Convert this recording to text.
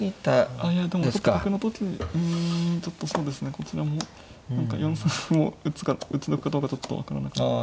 あいやでも角の時にうんちょっとそうですねこちらも何か４三歩を打つのかどうかちょっと分からなかった。